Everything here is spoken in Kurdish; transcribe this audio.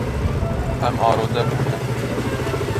Em arode bûne.